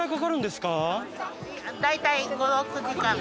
大体５６時間。